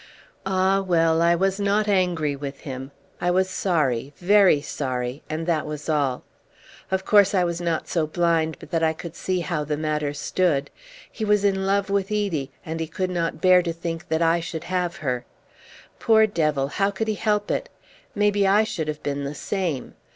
Ah well, I was not angry with him. I was sorry, very sorry, and that was all. Of course I was not so blind but that I could see how the matter stood. He was in love with Edie, and he could not bear to think that I should have her. Poor devil, how could he help it? Maybe I should have been the same.